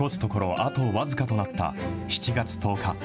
あと僅かとなった７月１０日。